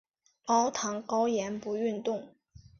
高糖高盐不运动